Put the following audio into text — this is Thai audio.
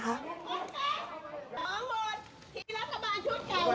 โอ้โฮร้องหมดทีรัฐบาลชุดเก่าลุงไว้หลง